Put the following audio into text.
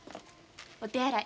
お手洗い